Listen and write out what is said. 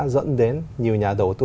dẫn đến nhiều nhà đầu tư